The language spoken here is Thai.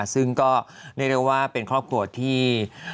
ซึ่งก็เรียกได้ว่าเป็นครอบครัวที่